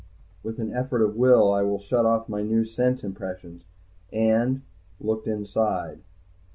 With an effort of will I shut off my new sense impressions, and looked inside.